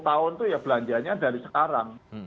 lima tahun itu ya belanjanya dari sekarang